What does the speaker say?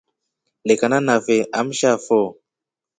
Lekana nafe amsha fo.